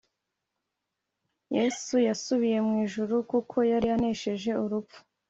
Yesu yasubiye mw ijuru, Kuko yar' aneshej' urupfu.